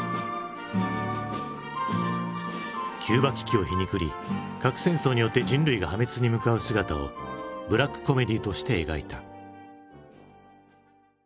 キューバ危機を皮肉り核戦争によって人類が破滅に向かう姿をブラックコメディーとして描いた。